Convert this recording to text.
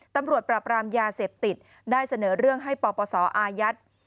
ตำรวจปราบรามยาเสพติดได้เสนอเรื่องให้ปปศอายัด